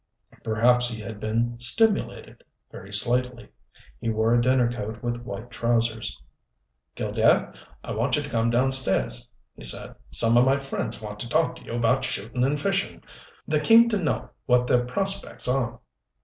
Perhaps he had been stimulated, very slightly. He wore a dinner coat with white trousers. "Killdare, I want you to come downstairs," he said. "Some of my friends want to talk to you about shootin' and fishin'. They're keen to know what their prospects are."